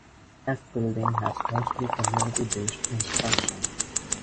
F-Building has mostly community-based instruction.